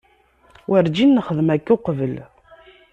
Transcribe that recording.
Werǧin nexdem akka uqbel.